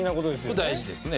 これ大事ですね